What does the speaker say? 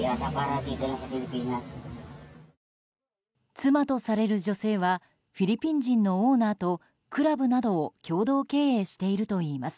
妻とされる女性はフィリピン人のオーナーとクラブなどを共同経営しているといいます。